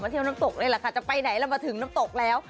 เที่ยวน้ำตกเลยล่ะค่ะจะไปไหนแล้วมาถึงน้ำตกแล้ว